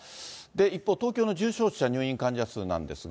一方、東京の重症者、入院患者数なんですが、。